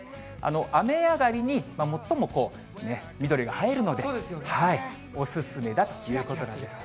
雨上がりに最もこう、緑が映えるので、お勧めだということなんです。